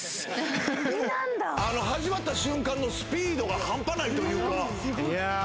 あの始まった瞬間のスピードが半端ないというかいやー